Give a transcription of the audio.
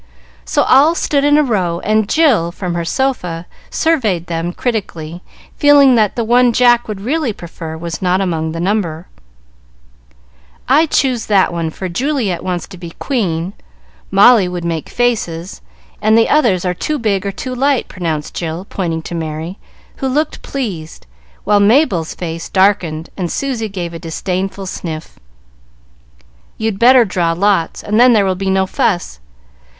So all stood in a row, and Jill, from her sofa, surveyed them critically, feeling that the one Jack would really prefer was not among the number. "I choose that one, for Juliet wants to be Queen, Molly would make faces, and the others are too big or too light," pronounced Jill, pointing to Merry, who looked pleased, while Mabel's face darkened, and Susy gave a disdainful sniff. "You'd better draw lots, and then there will be no fuss.